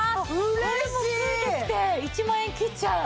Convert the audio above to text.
これも付いてきて１万円切っちゃう。